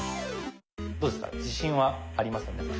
どうですか自信はありますか？